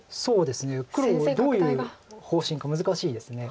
黒どういう方針か難しいです。